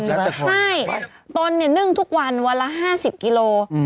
ไม่ต้นเนื่องทุกวันวันละ๕๐กิโล